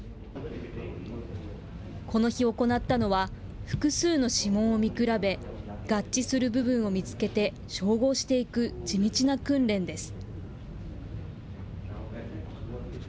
この日行ったのは、複数の指紋を見比べ、合致する部分を見つけて照合していく地道な訓練です。